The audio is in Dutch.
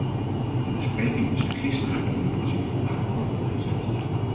De besprekingen zijn gisteren begonnen en zullen vandaag worden voortgezet.